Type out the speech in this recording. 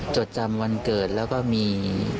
จดจำวันเกิดแล้วก็มี